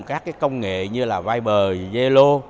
các cái công nghệ như là viber zelo